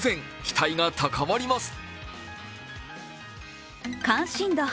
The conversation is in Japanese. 期待が高まります。